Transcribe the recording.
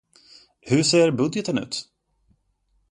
Hur ser budgeten ut?